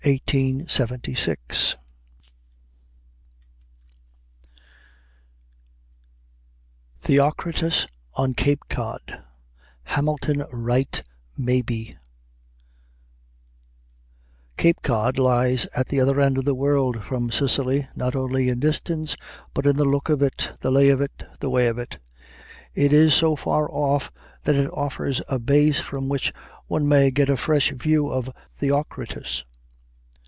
_ THEOCRITUS ON CAPE COD HAMILTON WRIGHT MABIE Cape Cod lies at the other end of the world from Sicily not only in distance, but in the look of it, the lay of it, the way of it. It is so far off that it offers a base from which one may get a fresh view of Theocritus.